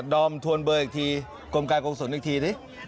ดอมทวนเบอร์อีกทีกรมการกงศูนย์อีกที